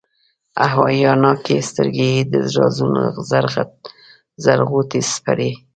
او حیاناکي سترګي یې د رازونو زر غوټي سپړي،